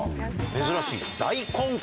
珍しい。